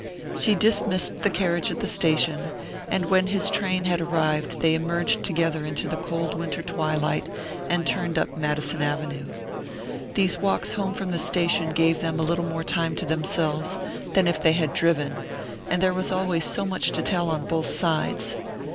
She dismissed the carriage at the station, and when his train had arrived they emerged together into the cold winter twilight and turned up Madison Avenue. These walks home from the station gave them a little more time to themselves than if they had driven; and there was always so much to tell on both sides.